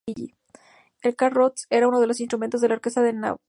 El "qath‧róhs" era uno de los instrumentos de la orquesta de Nabucodonosor.